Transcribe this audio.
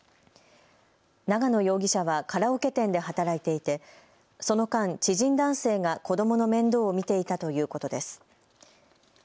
長野容疑者はカラオケ店で働いていてその間、知人男性が子どもの面倒を見ていたということです。